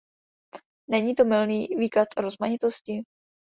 Není to mylný výklad rozmanitosti?